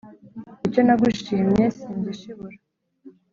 Icyo nagushimye singishibura